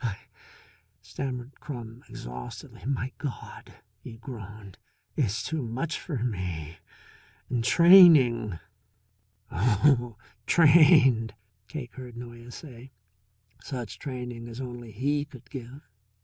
"I I " stammered Crum exhaustedly. "My God," he groaned, "it's too much for me. And training!" "Oh, trained," Cake heard Noyes say. "Such training as only he could give.